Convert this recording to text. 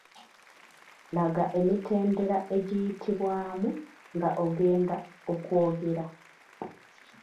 Laga emitendera egiyitibwamu nga ogenda okwogera .